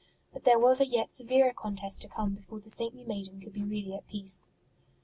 But there was a yet severer contest to come before the saintly maiden could be really at peace.